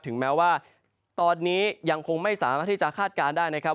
ถึงแม้ว่าตอนนี้ยังคงไม่สามารถที่จะคาดการณ์ได้นะครับ